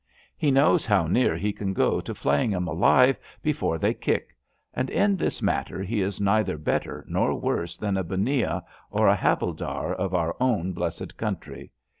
He knows how near he can go to flaying 'em alive before they kick; and in this matter he is neither better nor worse than a hunnia or a havildar of our own blessed country.